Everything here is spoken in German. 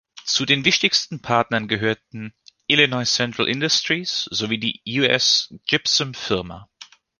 Zu den wichtigsten Partnern gehörten Illinois Central Industries sowie die US Gypsum Firma.